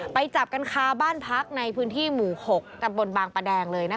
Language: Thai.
ไปจับกันคาบ้านพักในพื้นที่หมู่๖ตำบลบางประแดงเลยนะคะ